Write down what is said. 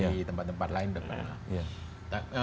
di tempat tempat lain depan